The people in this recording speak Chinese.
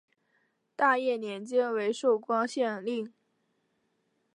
大业年间为寿光县令。